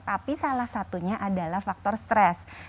tapi salah satunya adalah faktor stres